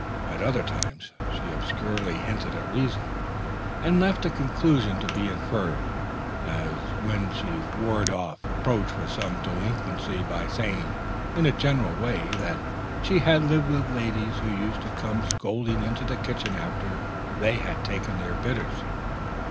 At other times she obscurely hinted a reason, and left a conclusion to be inferred; as when she warded off reproach for some delinquency by saying in a general way that she had lived with ladies who used to come scolding into the kitchen after they had taken their bitters.